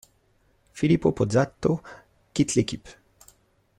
Filippo Pozzato quitte l'équipe.